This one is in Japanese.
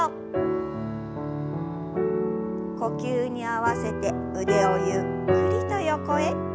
呼吸に合わせて腕をゆっくりと横へ。